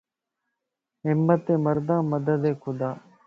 ھمت مردان مددِ خدا